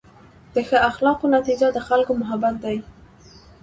د ښه اخلاقو نتیجه د خلکو محبت دی.